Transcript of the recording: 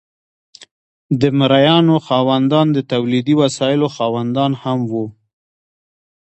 د مرئیانو خاوندان د تولیدي وسایلو خاوندان هم وو.